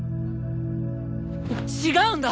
違うんだ！